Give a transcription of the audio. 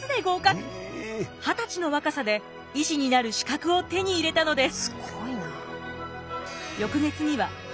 二十歳の若さで医師になる資格を手に入れたのです。